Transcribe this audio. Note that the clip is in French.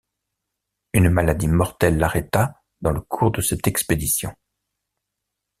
Une maladie mortelle l'arrêta dans le cours de cette expédition.